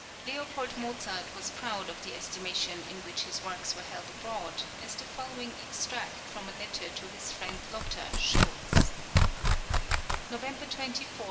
[10016] L. Mozart was proud of the estimation in which his works were held abroad, as the following extract from a letter to his friend Lotter shows: November 24, 1755.